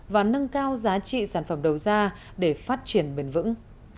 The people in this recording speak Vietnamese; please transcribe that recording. và nâng cao giá trị sản phẩm đầu ra để phát triển bền vững